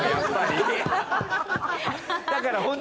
だから。